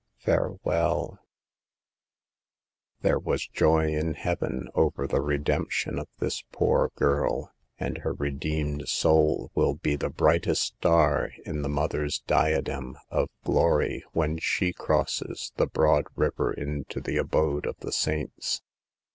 Farewell." A LOST WOMAN SAVED. 121 There was joy in heaven over the redemp tion of this poor girl, and her redeemed soul will be the brightest star in the mother's diadem of glory when she crosses the broad river into the abode of the saints.